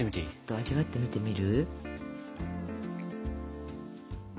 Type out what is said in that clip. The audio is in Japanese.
味わってみてみる？